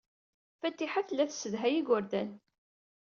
Fatiḥa tella tessedhay igerdan.